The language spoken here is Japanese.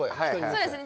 そうですね